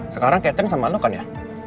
sekarang catering sama lo kan ya